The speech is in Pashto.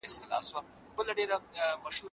د باران اوبه د کرنې لپاره ډیرې ګټورې دي.